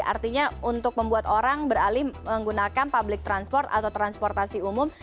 artinya untuk membuat orang beralih menggunakan public transport atau transportasi umum